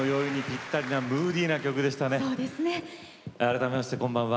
改めまして、こんばんは。